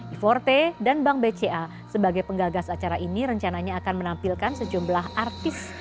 iforte dan bank bca sebagai penggagas acara ini rencananya akan menampilkan sejumlah artis